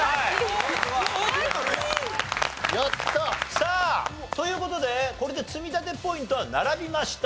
さあという事でこれで積み立てポイントは並びました。